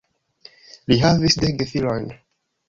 Li havis dek gefilojn.